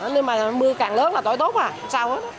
nên mà mưa càng lớn là tỏi tốt